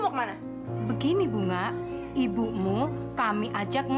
udah ibu diam aja